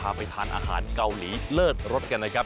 เอาล่ะเดินทางมาถึงในช่วงไฮไลท์ของตลอดกินในวันนี้แล้วนะครับ